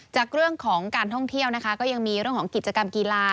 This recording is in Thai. จากเรื่องของการท่องเที่ยวนะคะก็ยังมีเรื่องของกิจกรรมกีฬา